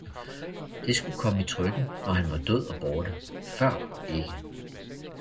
det skulle komme i trykken, når han var død og borte, før ikke.